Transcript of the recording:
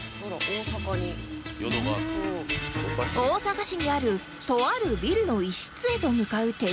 大阪市にあるとあるビルの一室へと向かう哲夫さん